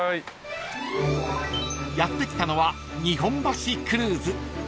［やって来たのは日本橋クルーズ］